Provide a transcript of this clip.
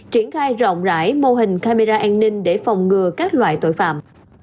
triển khai rộng rãi mô hình camera an ninh để phòng ngừa các loại tội phạm